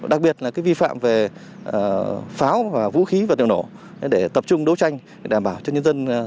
đặc biệt là vi phạm về pháo và vũ khí vật nổ để tập trung đấu tranh